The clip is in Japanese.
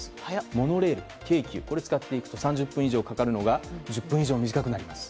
モノレール、京急を使っていくと３０分以上かかるのが１０分以上短くなります。